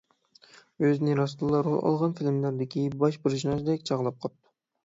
ئۆزىنى راستتىنلا رول ئالغان فىلىملاردىكى باش پېرسوناژدەك چاغلاپ قاپتۇ.